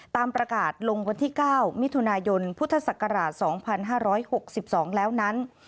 ตามประกาศลงวันที่๙มิถุนายนพุทธศักราช๒๕๖๒แล้วนั้น